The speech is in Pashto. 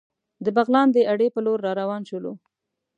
د بغلان د اډې په لور را روان شولو.